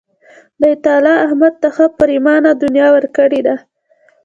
خدای تعالی احمد ته ښه پرېمانه دنیا ورکړې ده.